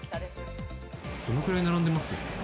どのくらい並んでます？